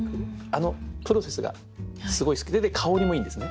あのプロセスがすごい好きで香りもいいんですね。